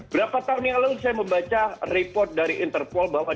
berapa tahun yang lalu saya membaca report dari interpol bahwa